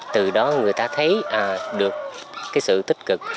từ đó người ta thấy được cái sự tích cực